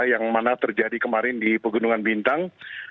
yang mana terjadi kemarin di pegunungan bintang